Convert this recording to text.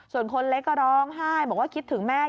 ส่วนคนเล็กก็ร้องไห้บอกว่าคิดถึงแม่